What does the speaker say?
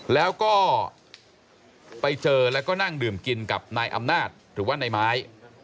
แล้วก็ไปเจอแล้วก็นั่งดื่มกินกับนายอำนาจหรือว่านายไม้